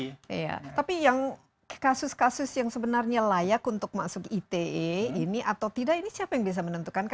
iya tapi yang kasus kasus yang sebenarnya layak untuk masuk ite ini atau tidak ini siapa yang bisa menentukan